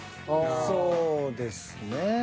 そうですね。